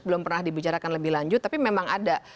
belum pernah dibicarakan lebih lanjut tapi memang ada